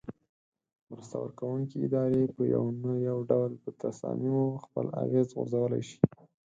مرسته ورکوونکې ادارې په یو نه یو ډول په تصامیمو خپل اغیز غورځولای شي.